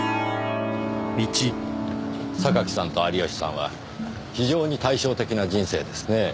榊さんと有吉さんは非常に対照的な人生ですね。